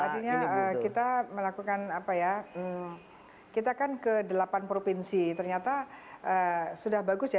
artinya kita melakukan apa ya kita kan ke delapan provinsi ternyata sudah bagus ya